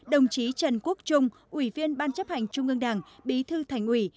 đồng chí trần quốc trung ủy viên ban chấp hành trung ương đảng bí thư thành ủy